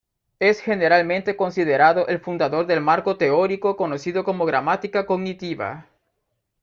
Es generalmente considerado el fundador del marco teórico conocido como gramática cognitiva.